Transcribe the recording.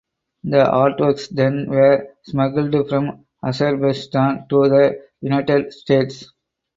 The artworks then were smuggled from Azerbaijan to the United States.